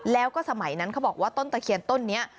แล้วก็สมัยนั้นเขาบอกว่าต้นตะเคียนต้นนี้